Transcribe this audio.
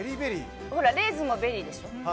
レーズンもベリーでしょ。